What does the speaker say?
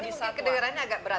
ini mungkin kedengerannya agak berat